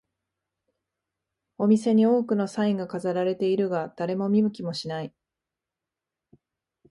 お店に多くのサインが飾られているが、誰も見向きもしない